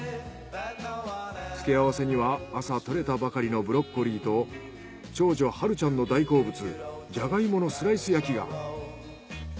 つけあわせには朝採れたばかりのブロッコリーと長女陽ちゃんの大好物ジャガイモのスライス焼きが。